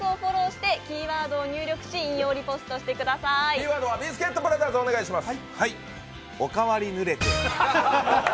キーワードはビスケットブラザーズお願いします。